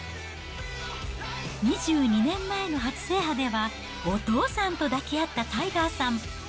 ２２年前の初制覇では、お父さんと抱き合ったタイガーさん。